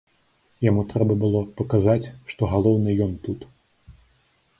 Яму трэба было паказаць, што галоўны ён тут.